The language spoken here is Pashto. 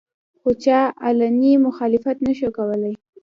خو چا علني مخالفت نشو کولې